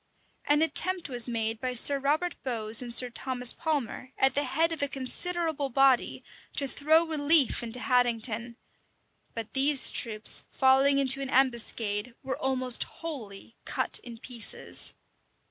An attempt was made by Sir Robert Bowes and Sir Thomas Palmer, at the head of a considerable body, to throw relief into Haddington; but these troops, falling into an ambuscade, were almost wholly cut in pieces.